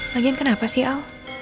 lagian kenapa sih al